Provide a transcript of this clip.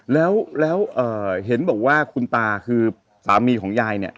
แล้วเห็นบอกว่าคุณตาคือสามีของยายเนี่ย